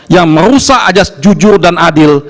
yang merusak ajas jujur dan adil